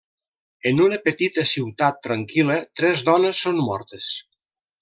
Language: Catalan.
En una petita ciutat tranquil·la, tres dones són mortes.